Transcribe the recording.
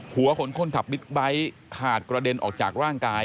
หัวขนคนขับบิ๊กไบท์ขาดกระเด็นออกจากร่างกาย